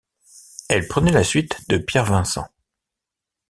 Elle prenait la suite de Pierre Vincent.